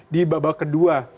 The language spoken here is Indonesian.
di babak kedua